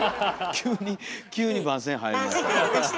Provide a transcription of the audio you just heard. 急に急に番宣入りました。